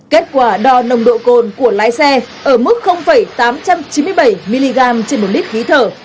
kết quả đo nồng độ cồn của lái xe ở mức tám trăm chín mươi bảy mg trên một lít khí thở